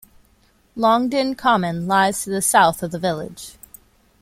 Longden Common lies to the south of the village.